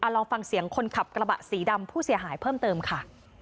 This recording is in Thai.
ลองฟังเสียงคนขับกระบะสีดำผู้เสียหายเพิ่มเติมค่ะ